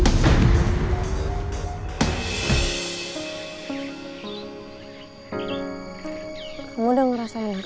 kamu udah ngerasa enakan